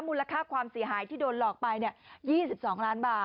มูลค่าความเสียหายที่โดนหลอกไป๒๒ล้านบาท